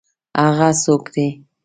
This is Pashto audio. هغه څوک دی؟